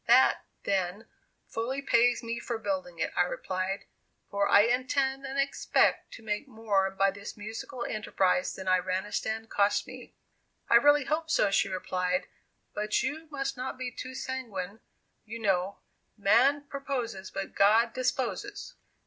"That, then, fully pays me for building it," I replied; "for I intend and expect to make more by this musical enterprise than Iranistan cost me." "I really hope so," she replied; "but you must not be too sanguine, you know, 'man proposes but God disposes.